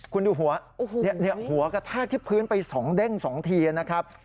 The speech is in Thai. คุณดูหัวหัวกระทากที่พื้นไปสองเด้งสองทีนะครับ